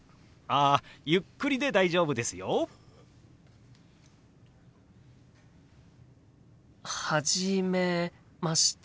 あゆっくりで大丈夫ですよ。初めまして。